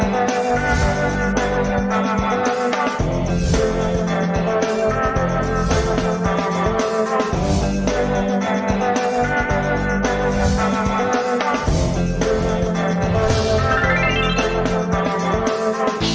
โปรดติดตามตอนต่อไป